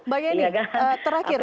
baik ini terakhir